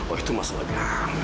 oh itu mas lagi